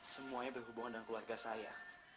semuanya berhubungan dengan keluarga saya